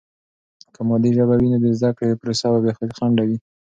که مادي ژبه وي، نو د زده کړې پروسه به بې خنډه وي.